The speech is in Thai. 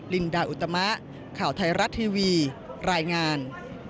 ลินดาอุตมะข่าวไทยรัฐทีวีรายงาน